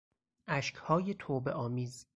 اشکهای توبهآمیز